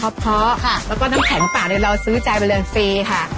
แล้วก็น้ำแข็งปากเนี่ยเราซื้อจ่ายบริเวณฟรีค่ะ